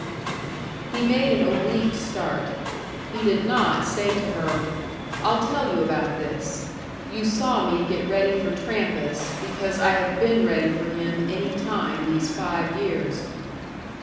He made an oblique start. He did not say to her: "I'll tell you about this. You saw me get ready for Trampas because I have been ready for him any time these five years."